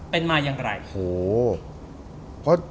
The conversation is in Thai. เป็นมายังไหร่